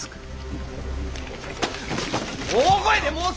大声で申せ！